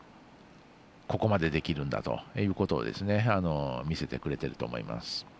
ここまで、できるんだぞということを見せてくれていると思います。